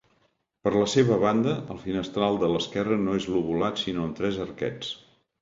Per la seva banda el finestral de l'esquerra no és lobulat sinó amb tres arquets.